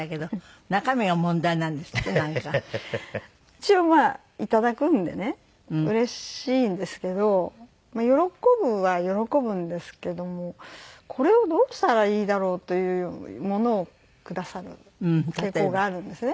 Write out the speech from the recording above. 一応まあいただくんでねうれしいんですけど喜ぶは喜ぶんですけどもこれをどうしたらいいだろうというものをくださる傾向があるんですね。